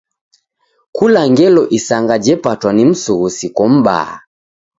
Kula ngelo isanga jepatwa ni msughusiko m'baa.